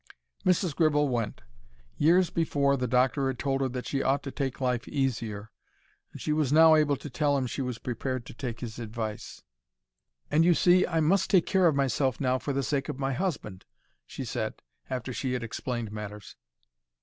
Mrs. Gribble went. Years before the doctor had told her that she ought to take life easier, and she was now able to tell him she was prepared to take his advice. "And, you see, I must take care of myself now for the sake of my husband," she said, after she had explained matters.